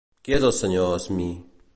Qui és el senyor Smee?